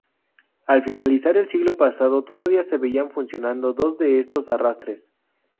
Al finalizar el siglo pasado todavía se veían funcionando dos de estos arrastres.